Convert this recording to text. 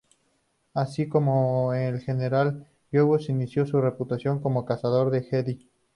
Así fue como el General Grievous inició su reputación como cazador de Jedi.